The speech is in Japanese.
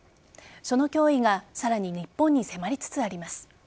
その脅威がさらに日本に迫りつつあります。